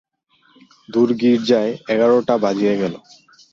দূর গির্জায় এগারোটা বাজিয়া গেল।